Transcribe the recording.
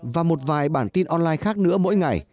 và một vài bản tin online khác nữa mỗi ngày